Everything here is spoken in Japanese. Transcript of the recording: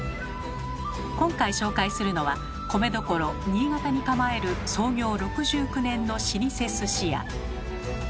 今回紹介するのは米どころ新潟に構える創業６９年の老舗鮨屋。